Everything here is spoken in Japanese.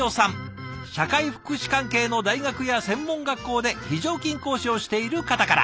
社会福祉関係の大学や専門学校で非常勤講師をしている方から。